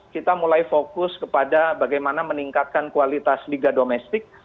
kita mulai fokus kepada bagaimana meningkatkan kualitas liga domestik